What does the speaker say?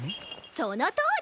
そのとおり！